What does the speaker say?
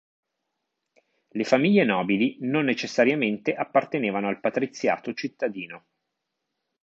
Le famiglie nobili non necessariamente appartenevano al patriziato cittadino.